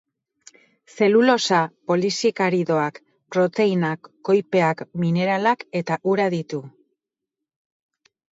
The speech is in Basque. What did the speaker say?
Zelulosa, polisakaridoak, proteinak, koipeak, mineralak eta ura ditu.